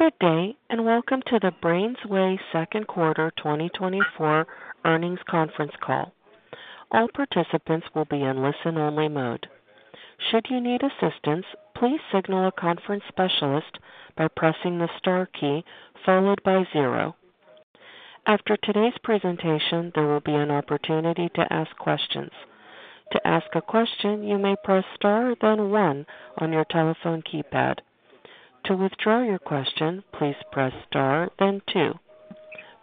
Good day, and welcome to the BrainsWay second quarter 2024 earnings conference call. All participants will be in listen-only mode. Should you need assistance, please signal a conference specialist by pressing the star key followed by zero. After today's presentation, there will be an opportunity to ask questions. To ask a question, you may press star, then one on your telephone keypad. To withdraw your question, please press star then two.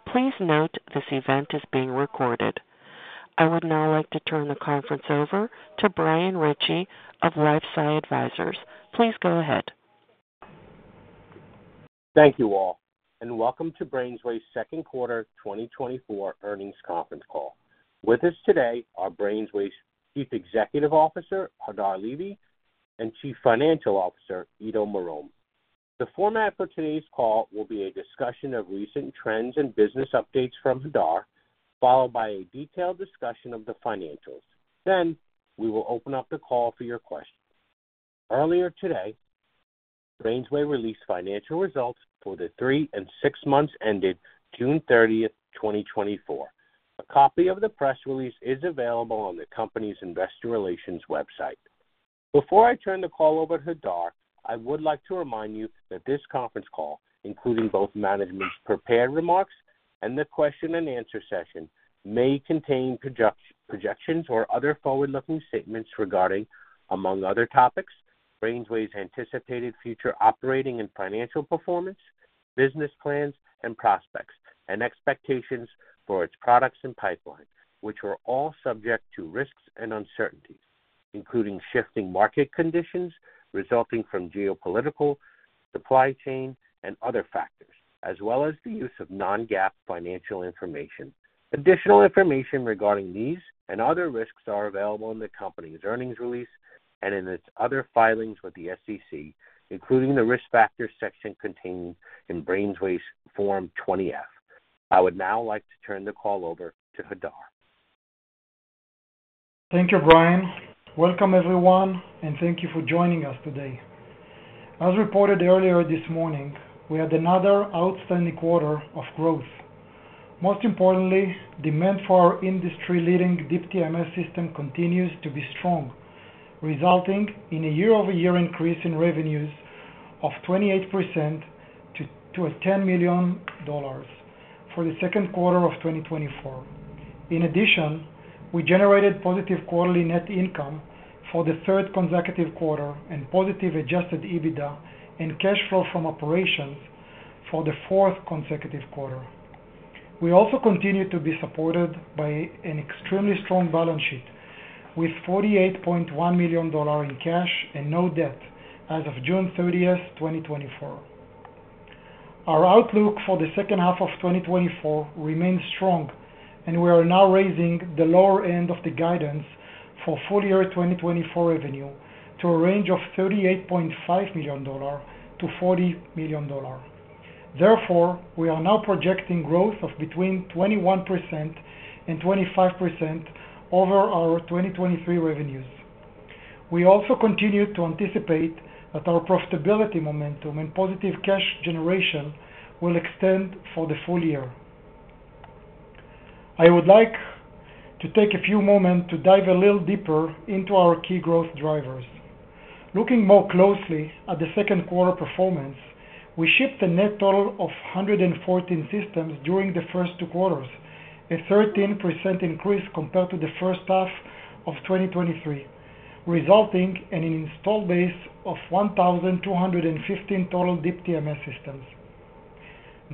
Please note, this event is being recorded. I would now like to turn the conference over to Brian Ritchie of LifeSci Advisors. Please go ahead. Thank you all, and welcome to BrainsWay's second quarter 2024 earnings conference call. With us today are BrainsWay's Chief Executive Officer, Hadar Levy, and Chief Financial Officer, Ido Marom. The format for today's call will be a discussion of recent trends and business updates from Hadar, followed by a detailed discussion of the financials. Then we will open up the call for your questions. Earlier today, BrainsWay released financial results for the three and six months ended June 30, 2024. A copy of the press release is available on the company's investor relations website. Before I turn the call over to Hadar, I would like to remind you that this conference call, including both management's prepared remarks and the question and answer session, may contain projections or other forward-looking statements regarding, among other topics, BrainsWay's anticipated future operating and financial performance, business plans and prospects, and expectations for its products and pipeline, which are all subject to risks and uncertainties, including shifting market conditions resulting from geopolitical, supply chain, and other factors, as well as the use of non-GAAP financial information. Additional information regarding these and other risks are available in the company's earnings release and in its other filings with the SEC, including the Risk Factors section contained in BrainsWay's Form 20-F. I would now like to turn the call over to Hadar. Thank you, Brian. Welcome, everyone, and thank you for joining us today. As reported earlier this morning, we had another outstanding quarter of growth. Most importantly, demand for our industry-leading Deep TMS system continues to be strong, resulting in a year-over-year increase in revenues of 28% to $10 million for the second quarter of 2024. In addition, we generated positive quarterly net income for the third consecutive quarter and positive Adjusted EBITDA and cash flow from operations for the fourth consecutive quarter. We also continue to be supported by an extremely strong balance sheet, with $48.1 million in cash and no debt as of June thirtieth, 2024. Our outlook for the second half of 2024 remains strong, and we are now raising the lower end of the guidance for full year 2024 revenue to a range of $38.5 million-$40 million. Therefore, we are now projecting growth of between 21% and 25% over our 2023 revenues. We also continue to anticipate that our profitability, momentum, and positive cash generation will extend for the full year. I would like to take a few moments to dive a little deeper into our key growth drivers. Looking more closely at the second quarter performance, we shipped a net total of 114 systems during the first two quarters, a 13% increase compared to the first half of 2023, resulting in an installed base of 1,215 total Deep TMS systems.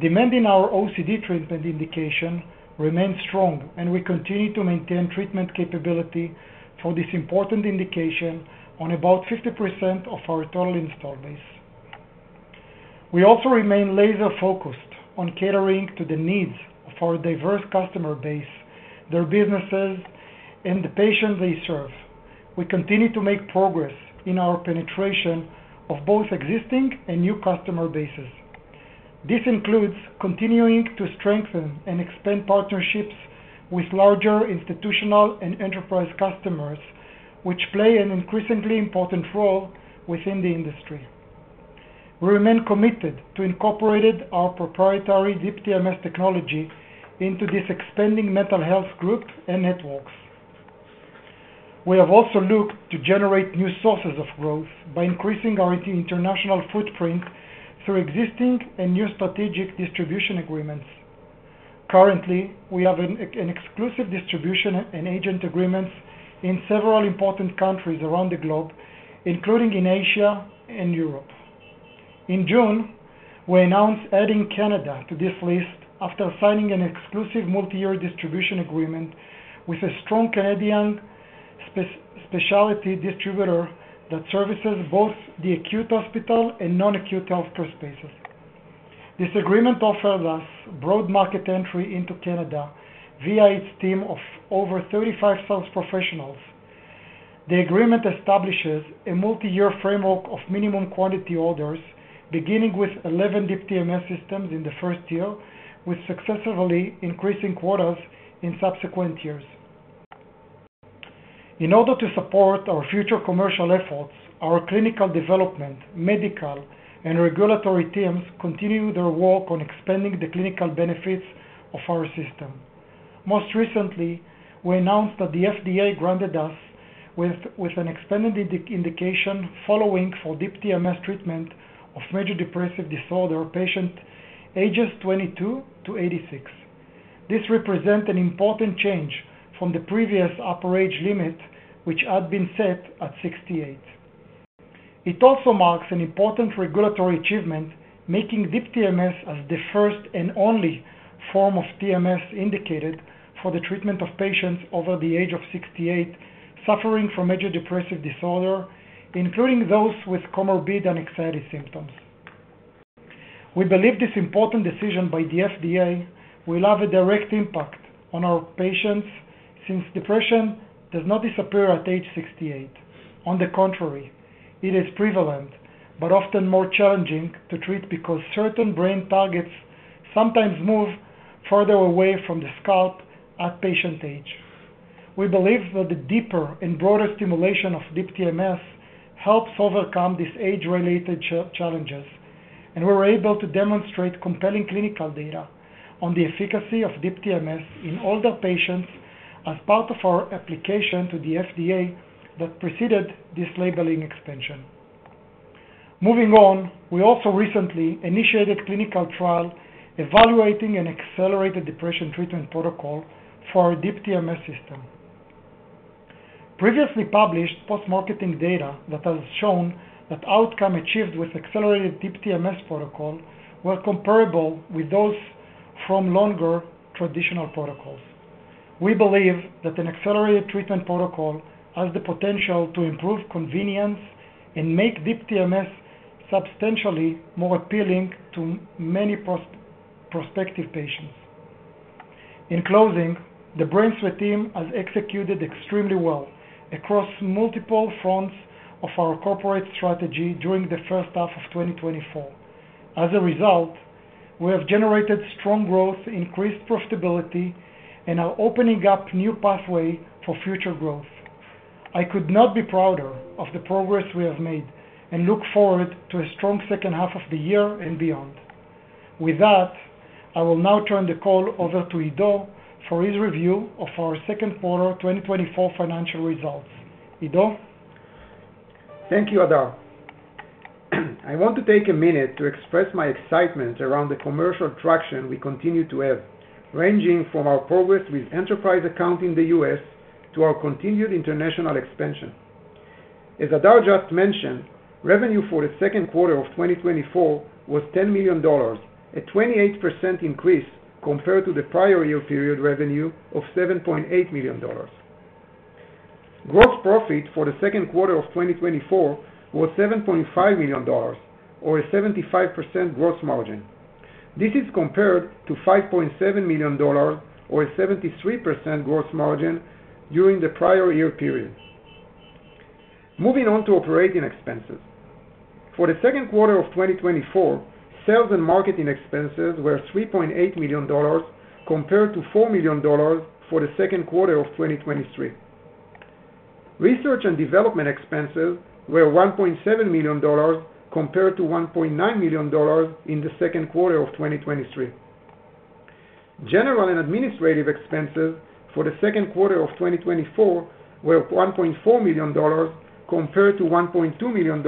Demand in our OCD treatment indication remains strong, and we continue to maintain treatment capability for this important indication on about 50% of our total installed base. We also remain laser-focused on catering to the needs of our diverse customer base, their businesses, and the patients they serve. We continue to make progress in our penetration of both existing and new customer bases. This includes continuing to strengthen and expand partnerships with larger institutional and enterprise customers, which play an increasingly important role within the industry. We remain committed to incorporating our proprietary Deep TMS technology into this expanding mental health groups and networks. We have also looked to generate new sources of growth by increasing our international footprint through existing and new strategic distribution agreements. Currently, we have an exclusive distribution and agent agreements in several important countries around the globe, including in Asia and Europe. In June, we announced adding Canada to this list after signing an exclusive multi-year distribution agreement with a strong Canadian specialty distributor that services both the acute hospital and non-acute healthcare spaces. This agreement offers us broad market entry into Canada via its team of over 35 sales professionals. The agreement establishes a multi-year framework of minimum quantity orders, beginning with 11 Deep TMS systems in the first year, with successively increasing quotas in subsequent years. In order to support our future commercial efforts, our clinical development, medical, and regulatory teams continue their work on expanding the clinical benefits of our system. Most recently, we announced that the FDA granted us with an expanded indication for Deep TMS treatment of major depressive disorder in patient ages 22-86. This represent an important change from the previous upper age limit, which had been set at 68. It also marks an important regulatory achievement, making Deep TMS as the first and only form of TMS indicated for the treatment of patients over the age of 68, suffering from major depressive disorder, including those with comorbid and anxiety symptoms. We believe this important decision by the FDA will have a direct impact on our patients, since depression does not disappear at age 68. On the contrary, it is prevalent, but often more challenging to treat, because certain brain targets sometimes move further away from the scalp at patient age. We believe that the deeper and broader stimulation of Deep TMS helps overcome these age-related challenges, and we're able to demonstrate compelling clinical data on the efficacy of Deep TMS in older patients as part of our application to the FDA that preceded this labeling extension. Moving on, we also recently initiated clinical trial, evaluating an accelerated depression treatment protocol for our Deep TMS system. Previously published post-marketing data that has shown that outcome achieved with accelerated Deep TMS protocol were comparable with those from longer traditional protocols. We believe that an accelerated treatment protocol has the potential to improve convenience and make Deep TMS substantially more appealing to many prospective patients. In closing, the BrainsWay team has executed extremely well across multiple fronts of our corporate strategy during the first half of 2024. As a result, we have generated strong growth, increased profitability, and are opening up new pathway for future growth. I could not be prouder of the progress we have made and look forward to a strong second half of the year and beyond. With that, I will now turn the call over to Ido for his review of our second quarter 2024 financial results. Ido? Thank you, Hadar. I want to take a minute to express my excitement around the commercial traction we continue to have, ranging from our progress with enterprise account in the U.S. to our continued international expansion. As Hadar just mentioned, revenue for the second quarter of 2024 was $10 million, a 28% increase compared to the prior year period revenue of $7.8 million. Gross profit for the second quarter of 2024 was $7.5 million or a 75% gross margin. This is compared to $5.7 million or a 73% gross margin during the prior year period. Moving on to operating expenses. For the second quarter of 2024, sales and marketing expenses were $3.8 million, compared to $4 million for the second quarter of 2023. Research and development expenses were $1.7 million, compared to $1.9 million in the second quarter of 2023. General and administrative expenses for the second quarter of 2024 were $1.4 million, compared to $1.2 million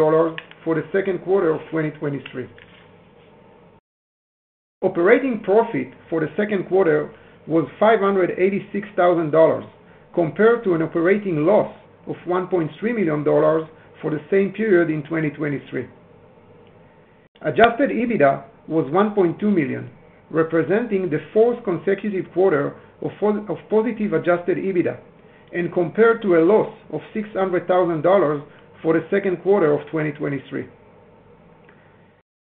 for the second quarter of 2023. Operating profit for the second quarter was $586,000, compared to an operating loss of $1.3 million for the same period in 2023. Adjusted EBITDA was $1.2 million, representing the fourth consecutive quarter of positive adjusted EBITDA, and compared to a loss of $600,000 for the second quarter of 2023.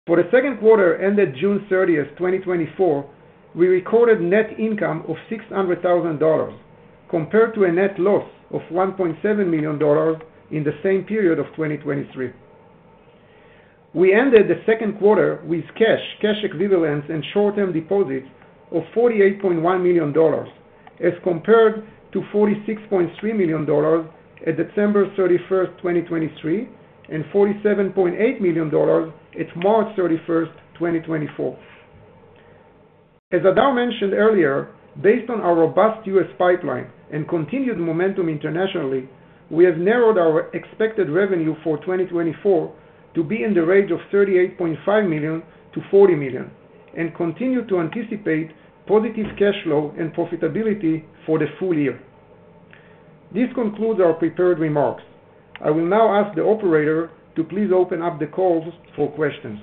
For the second quarter, ended June 30, 2024, we recorded net income of $600,000, compared to a net loss of $1.7 million in the same period of 2023. We ended the second quarter with cash, cash equivalents, and short-term deposits of $48.1 million, as compared to $46.3 million at December 31, 2023, and $47.8 million at March 31, 2024. As Hadar mentioned earlier, based on our robust U.S. pipeline and continued momentum internationally, we have narrowed our expected revenue for 2024 to be in the range of $38.5 million-$40 million and continue to anticipate positive cash flow and profitability for the full year. This concludes our prepared remarks. I will now ask the operator to please open up the calls for questions.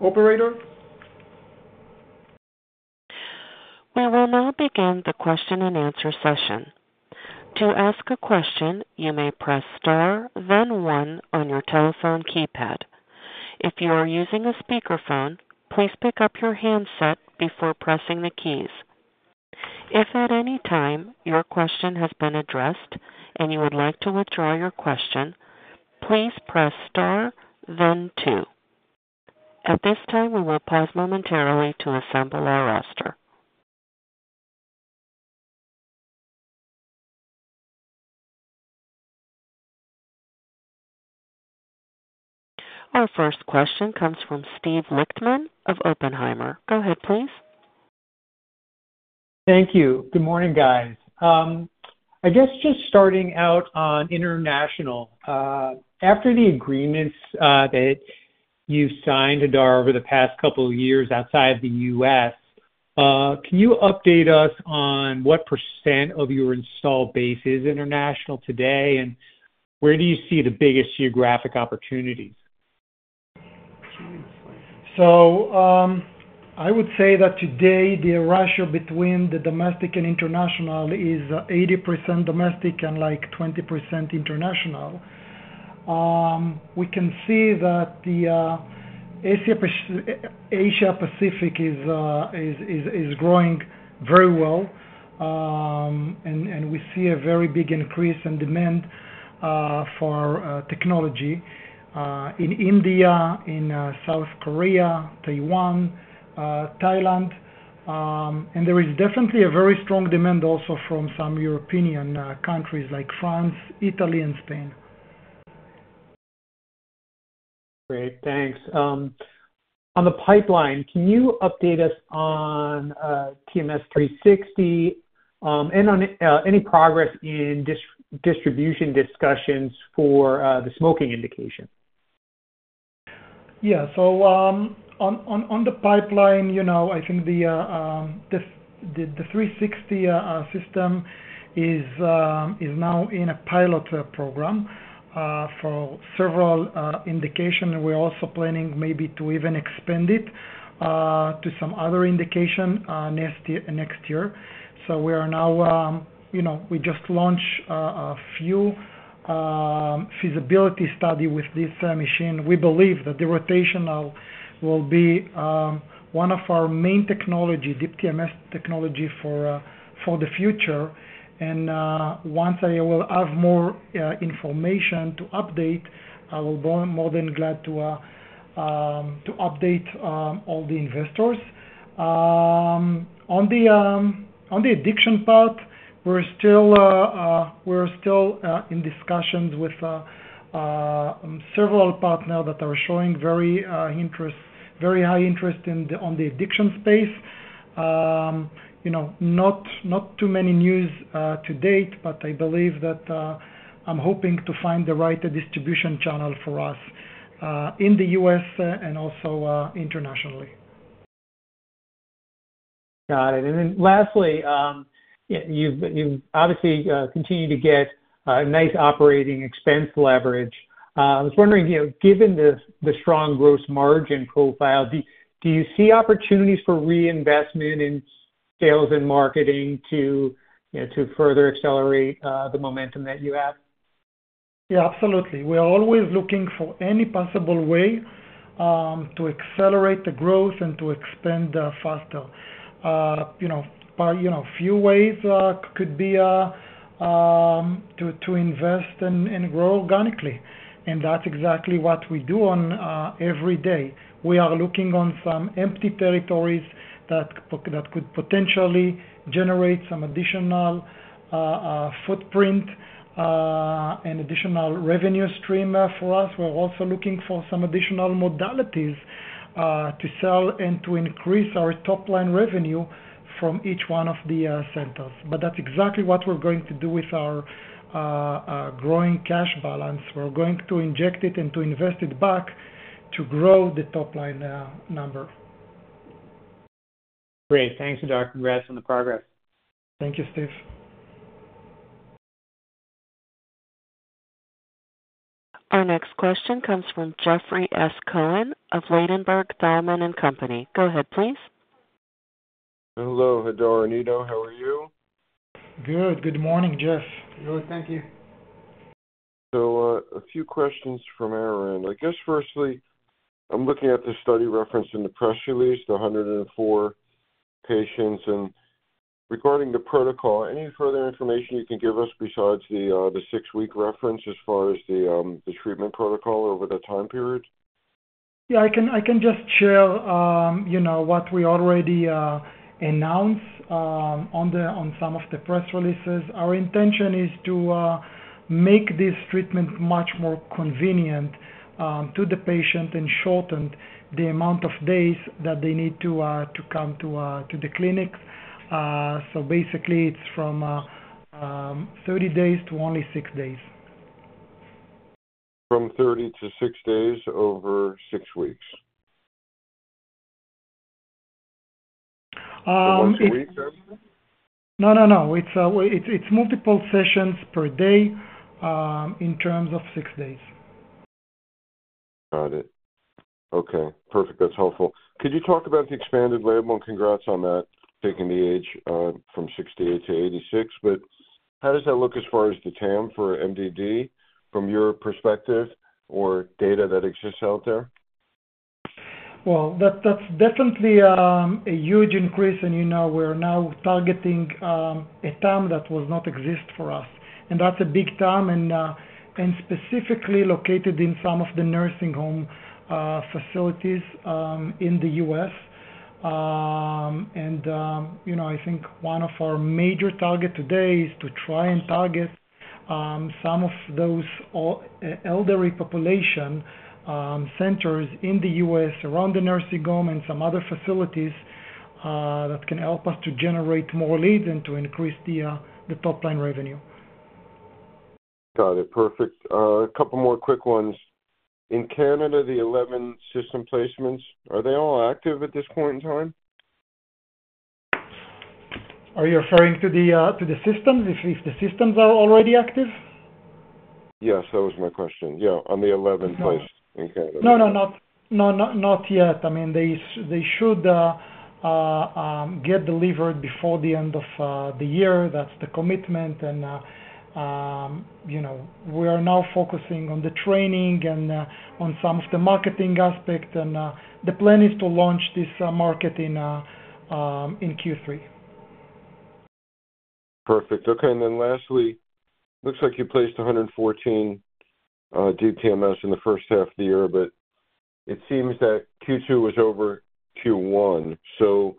Operator? We will now begin the question-and-answer session. To ask a question, you may press star, then one on your telephone keypad. If you are using a speakerphone, please pick up your handset before pressing the keys. If at any time your question has been addressed and you would like to withdraw your question, please press star, then two. At this time, we will pause momentarily to assemble our roster. Our first question comes from Steven Lichtman of Oppenheimer. Go ahead, please. Thank you. Good morning, guys. I guess just starting out on international, after the agreements that you signed, Hadar, over the past couple of years outside the U.S., can you update us on what percent of your installed base is international today, and where do you see the biggest geographic opportunities? I would say that today the ratio between the domestic and international is 80% domestic and like 20% international. We can see that the Asia Pacific is growing very well. And we see a very big increase in demand for technology in India, in South Korea, Taiwan, Thailand. And there is definitely a very strong demand also from some European countries like France, Italy, and Spain. Great. Thanks. On the pipeline, can you update us on TMS 360, and on any progress in distribution discussions for the smoking indication? Yeah. So, on the pipeline, you know, I think the 360 system is now in a pilot program for several indication. We're also planning maybe to even expand it to some other indication next year. So we are now, you know, we just launched a few feasibility study with this machine. We believe that the rotational will be one of our main technology, Deep TMS technology, for the future. And, once I will have more information to update, I will be more than glad to update all the investors. On the addiction part, we're still in discussions with several partners that are showing very high interest in the addiction space. You know, not too many news to date, but I believe that I'm hoping to find the right distribution channel for us in the U.S. and also internationally. Got it. Then lastly, you obviously continue to get nice operating expense leverage. I was wondering, you know, given the strong gross margin profile, do you see opportunities for reinvestment in sales and marketing to, you know, to further accelerate the momentum that you have? Yeah, absolutely. We are always looking for any possible way to accelerate the growth and to expand faster. You know, by you know, a few ways could be to invest and grow organically, and that's exactly what we do on every day. We are looking on some empty territories that could potentially generate some additional footprint and additional revenue stream for us. We're also looking for some additional modalities to sell and to increase our top line revenue from each one of the centers. But that's exactly what we're going to do with our growing cash balance. We're going to inject it and to invest it back to grow the top line number. Great. Thanks, Hadar. Congrats on the progress. Thank you, Steve. Our next question comes from Jeffrey S. Cohen of Ladenburg Thalmann and Company. Go ahead, please. Hello, Hadar, how are you? Good. Good morning, Jeff. Good, thank you. So, a few questions from our end. I guess, firstly, I'm looking at the study referenced in the press release, the 104 patients. And regarding the protocol, any further information you can give us besides the six-week reference as far as the treatment protocol over the time period? Yeah, I can just share, you know, what we already announced on some of the press releases. Our intention is to make this treatment much more convenient to the patient and shorten the amount of days that they need to come to the clinic. So basically it's from 30 days to only 6 days. From 30 to 6 days over 6 weeks? Once a week then? No. It's multiple sessions per day, in terms of six days. Got it. Okay, perfect. That's helpful. Could you talk about the expanded label? Congrats on that, taking the age from 68-86. But how does that look as far as the TAM for MDD, from your perspective or data that exists out there? Well, that's definitely a huge increase, and you know, we're now targeting a TAM that was not exist for us, and that's a big TAM and specifically located in some of the nursing home facilities in the U.S. And you know, I think one of our major target today is to try and target some of those old elderly population centers in the U.S., around the nursing home and some other facilities that can help us to generate more leads and to increase the top line revenue. Got it. Perfect. A couple more quick ones. In Canada, the 11 system placements, are they all active at this point in time? Are you referring to the system, if the systems are already active? Yes, that was my question. Yeah, on the 11 place in Canada. No, no, not, no, not, not yet. I mean, they should get delivered before the end of the year. That's the commitment, and you know, we are now focusing on the training and on some of the marketing aspect, and the plan is to launch this market in Q3. Perfect. Okay. And then lastly, looks like you placed 114 Deep TMS in the first half of the year, but it seems that Q2 was over Q1. So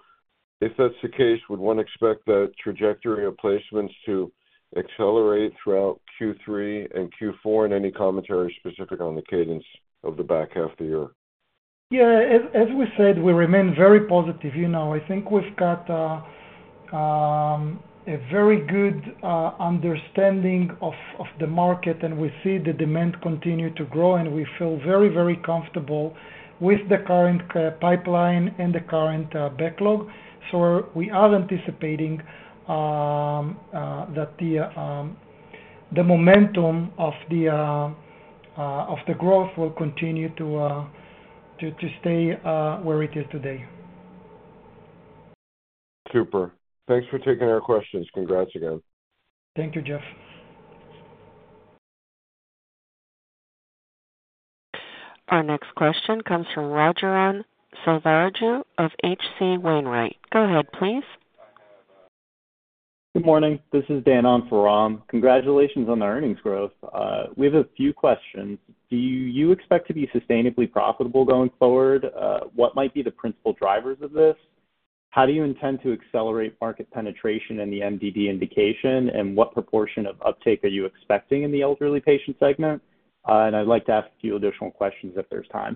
if that's the case, would one expect the trajectory of placements to accelerate throughout Q3 and Q4? And any commentary specific on the cadence of the back half of the year? Yeah. As we said, we remain very positive. You know, I think we've got a very good understanding of the market, and we see the demand continue to grow, and we feel very, very comfortable with the current pipeline and the current backlog. So we are anticipating that the momentum of the growth will continue to stay where it is today. Super. Thanks for taking our questions. Congrats again. Thank you, Jeff. Our next question comes from Raghuram Selvaraju of H.C. Wainwright. Go ahead, please. Good morning. This is Dan on for Raghuram. Congratulations on the earnings growth. We have a few questions. Do you expect to be sustainably profitable going forward? What might be the principal drivers of this? How do you intend to accelerate market penetration in the MDD indication, and what proportion of uptake are you expecting in the elderly patient segment? And I'd like to ask a few additional questions if there's time.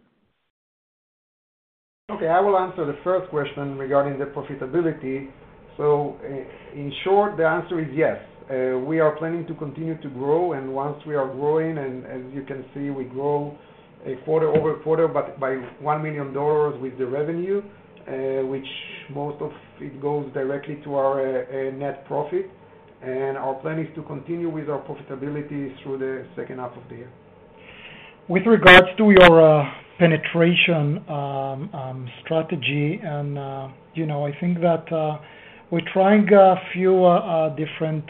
Okay. I will answer the first question regarding the profitability. In short, the answer is yes. We are planning to continue to grow, and once we are growing, and as you can see, we grow a quarter-over-quarter, but by $1 million with the revenue, which most of it goes directly to our net profit. Our plan is to continue with our profitability through the second half of the year. With regards to your penetration strategy, and you know, I think that we're trying a few different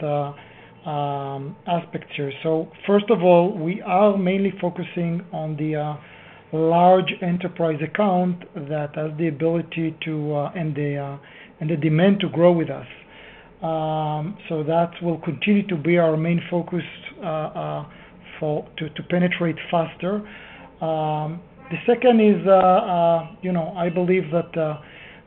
aspects here. So first of all, we are mainly focusing on the large enterprise account that has the ability and the demand to grow with us. So that will continue to be our main focus to penetrate faster. The second is, you know, I believe that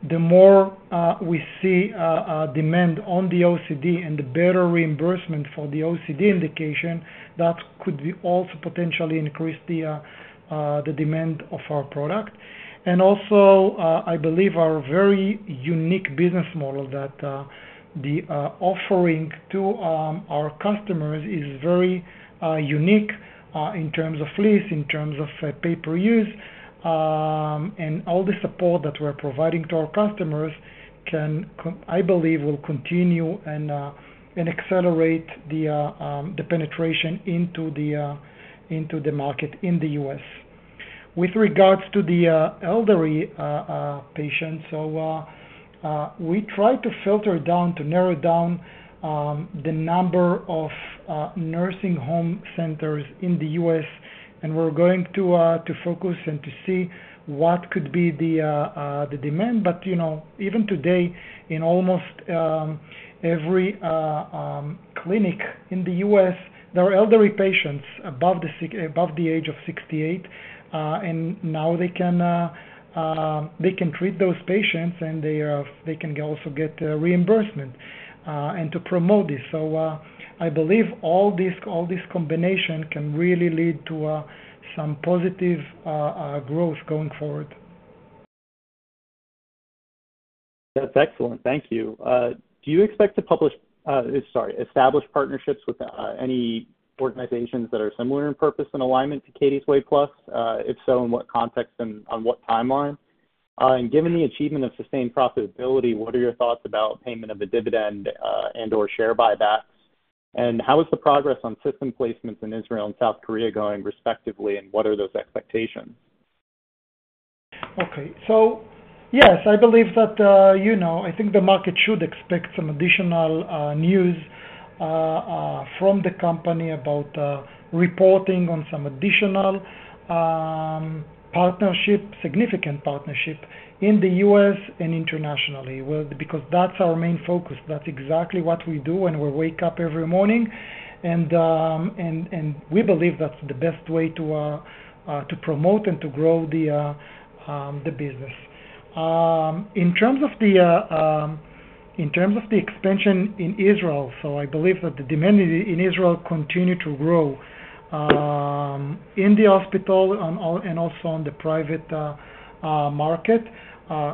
the more we see a demand on the OCD and the better reimbursement for the OCD indication, that could be also potentially increase the demand of our product. Also, I believe our very unique business model, that the offering to our customers is very unique in terms of lease, in terms of pay-per-use, and all the support that we're providing to our customers, I believe, will continue and accelerate the penetration into the market in the U.S. With regards to the elderly patients, so we try to filter down, to narrow down the number of nursing home centers in the U.S., and we're going to focus and to see what could be the demand. You know, even today, in almost every clinic in the U.S., there are elderly patients above the age of 68, and now they can treat those patients, and they can also get reimbursement, and to promote this. I believe all this combination can really lead to some positive growth going forward. That's excellent. Thank you. Do you expect to establish partnerships with any organizations that are similar in purpose and alignment to Katie's Way Plus? If so, in what context and on what timeline? And given the achievement of sustained profitability, what are your thoughts about payment of a dividend, and/or share buybacks? How is the progress on system placements in Israel and South Korea going, respectively, and what are those expectations? Okay. So yes, I believe that, you know, I think the market should expect some additional news from the company about reporting on some additional partnership, significant partnership in the U.S. and internationally, well, because that's our main focus. That's exactly what we do when we wake up every morning, and we believe that's the best way to promote and to grow the business. In terms of the expansion in Israel, so I believe that the demand in Israel continue to grow, in the hospital, and also on the private market.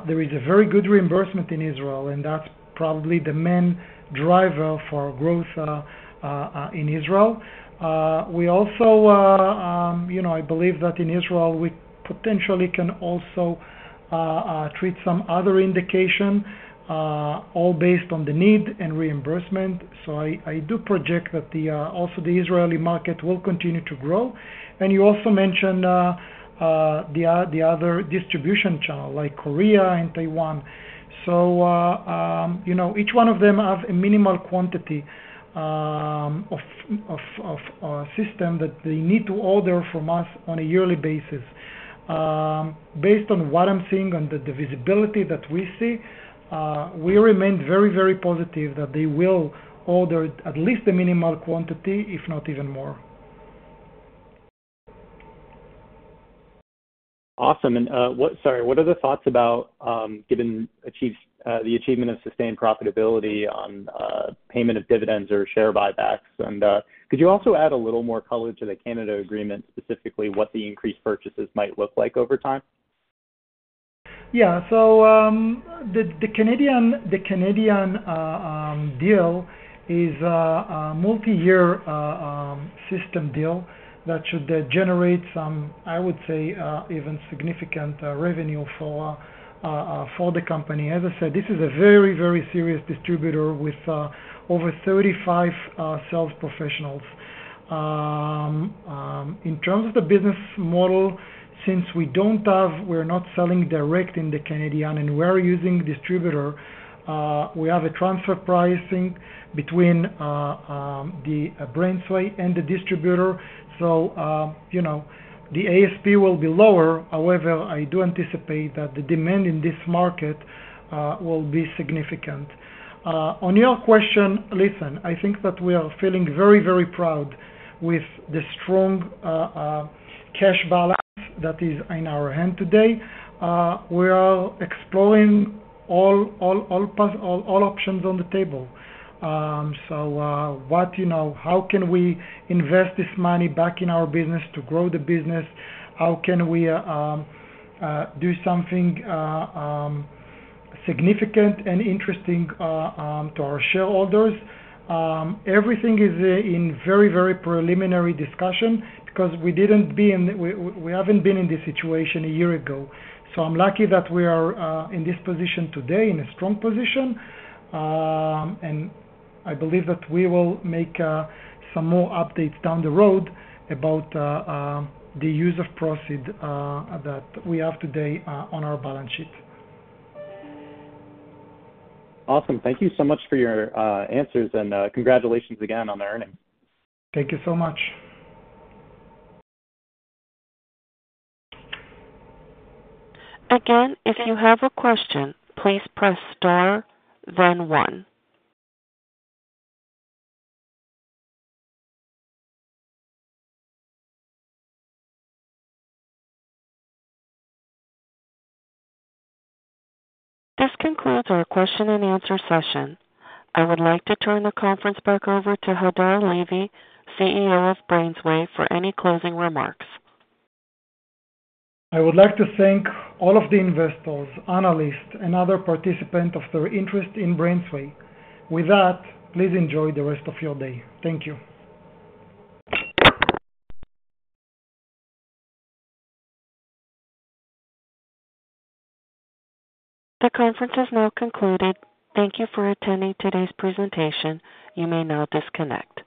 There is a very good reimbursement in Israel, and that's probably the main driver for growth in Israel. We also, you know, I believe that in Israel we potentially can also treat some other indication all based on the need and reimbursement. So I do project that the also the Israeli market will continue to grow. And you also mentioned the other distribution channel, like Korea and Taiwan. So, you know, each one of them have a minimal quantity of system that they need to order from us on a yearly basis. Based on what I'm seeing and the visibility that we see, we remain very, very positive that they will order at least a minimal quantity, if not even more. Awesome. What... Sorry, what are the thoughts about, given the achievement of sustained profitability on payment of dividends or share buybacks? Could you also add a little more color to the Canada agreement, specifically what the increased purchases might look like over time? Yeah. So, the Canadian deal is a multi-year system deal that should generate some, I would say, even significant revenue for the company. As I said, this is a very, very serious distributor with over 35 sales professionals. In terms of the business model, since we don't have—we're not selling direct in the Canadian, and we're using distributor, we have a transfer pricing between the BrainsWay and the distributor. So, you know, the ASP will be lower. However, I do anticipate that the demand in this market will be significant. On your question, listen, I think that we are feeling very, very proud with the strong cash balance that is in our hand today. We are exploring all options on the table. So, what, you know, how can we invest this money back in our business to grow the business? How can we do something significant and interesting to our shareholders? Everything is in very, very preliminary discussion because we haven't been in this situation a year ago. So I'm lucky that we are in this position today, in a strong position, and I believe that we will make some more updates down the road about the use of proceeds that we have today on our balance sheet. Awesome. Thank you so much for your answers, and congratulations again on the earnings. Thank you so much. Again, if you have a question, please press star, then one. This concludes our question and answer session. I would like to turn the conference back over to Hadar Levy, CEO of BrainsWay, for any closing remarks. I would like to thank all of the investors, analysts, and other participants of their interest in BrainsWay. With that, please enjoy the rest of your day. Thank you. The conference is now concluded. Thank you for attending today's presentation. You may now disconnect.